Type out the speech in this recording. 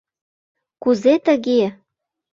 «Кузе тыге?»